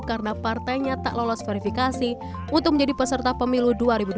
karena partainya tak lolos verifikasi untuk menjadi peserta pemilu dua ribu dua puluh empat